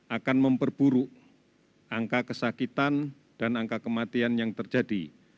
akan memperburuk angka kesakitan dan angka kematian yang terjadi